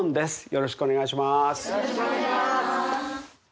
よろしくお願いします。